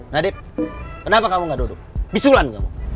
nadib kenapa kamu gak duduk bisulan kamu